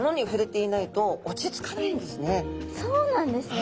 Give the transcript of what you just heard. そうなんですね